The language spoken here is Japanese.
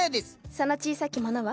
その小さき者は？